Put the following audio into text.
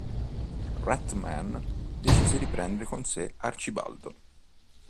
Rat-Man decise di prendere con sé Arcibaldo.